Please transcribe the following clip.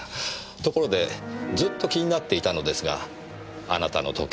ところでずっと気になっていたのですがあなたの時計